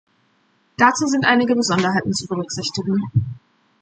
Dazu sind einige Besonderheiten zu berücksichtigen.